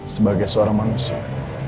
sebagai seorang manusia